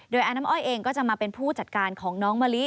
โดยอาน้ำอ้อยเองก็จะมาเป็นผู้จัดการของน้องมะลิ